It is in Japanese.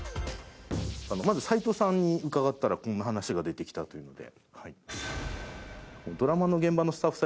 まず齊藤さんに伺ったらこんな話が出てきたというので。